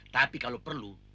tapi kalau perlu